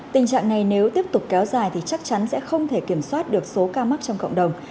tình trạng này nếu tiếp tục kéo dài thì chắc chắn sẽ không thể kiểm soát được số ca mắc trong cộng đồng